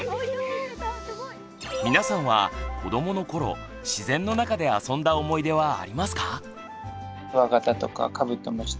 皆さんは子どものころ自然の中であそんだ思い出はありますか？